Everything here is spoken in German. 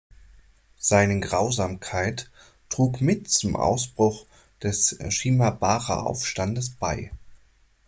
Seine Grausamkeit trug mit zum Ausbruch des Shimabara-Aufstandes bei.